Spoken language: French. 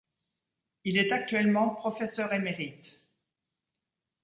Il est actuellement professeur émérite.